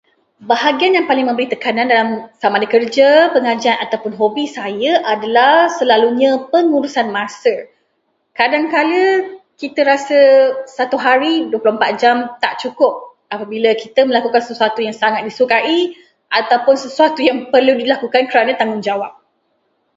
Bahagian yang memberi tekanan dalam - sama ada kerja, pengajian ataupun hobi saya adalah selalunya pengurusan masa. Kadangkala, kita rasa satu hari dua puluh empat jam tak cukup apabila kita melakukan sesuatu yang sangat disukai atau sesuatu yang perlu dilakukan kerana tanggungjawab.